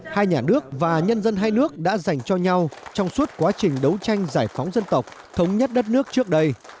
hai nhà nước và nhân dân hai nước đã dành cho nhau trong suốt quá trình đấu tranh giải phóng dân tộc thống nhất đất nước trước đây